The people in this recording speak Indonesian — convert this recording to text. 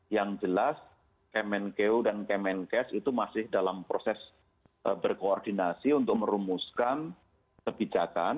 yang jelas kemenkeu dan kemenkes itu masih dalam proses berkoordinasi untuk merumuskan kebijakan